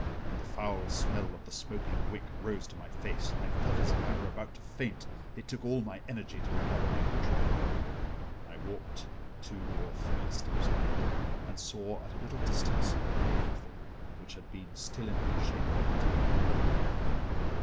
The foul smell of the smoking wick rose to my face and I felt as if I were about to faint, it took all my energy to recover my control. I walked two or three steps ahead, and saw at a little distance a coffin which had been still in good shape when taken out of the earth.